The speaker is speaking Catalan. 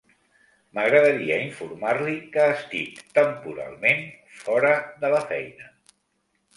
M'agradaria informar-li que estic temporalment fora de la feina.